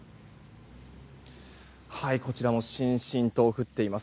こちらもしんしんと降っています。